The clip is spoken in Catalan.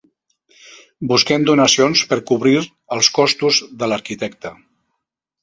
Busquem donacions per cobrir els costos de l'arquitecte.